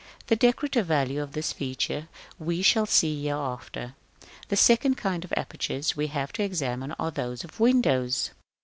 The decorative value of this feature we shall see hereafter. § X. The second kind of apertures we have to examine are those of windows.